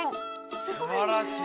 すばらしい！